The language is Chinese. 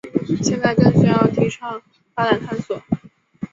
现在更需要提倡大胆探索。